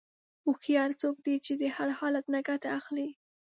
هوښیار څوک دی چې د هر حالت نه ګټه اخلي.